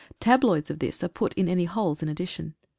Tabloids of this are put in any holes in addition.